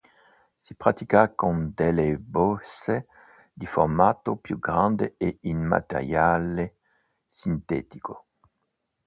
Si pratica con delle bocce di formato più grande e in materiale sintetico.